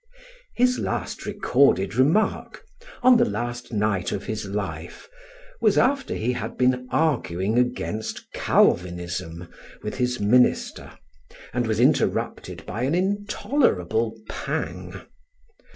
His last recorded remark, on the last night of his life, was after he had been arguing against Calvinism with his minister and was interrupted by an intolerable pang.